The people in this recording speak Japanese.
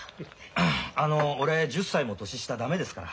あの俺１０歳も年下駄目ですから。